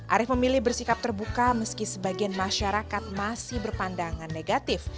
arief memilih bersikap terbuka meski sebagian masyarakat masih berpandangan negatif